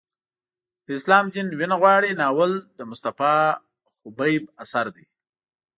د اسلام دین وینه غواړي ناول د مصطفی خبیب اثر دی.